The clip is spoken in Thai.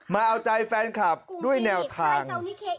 มาเอาใจแฟนคลับด้วยแนวทาง